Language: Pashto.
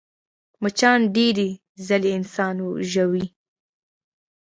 مچان ډېرې ځلې انسان ژوي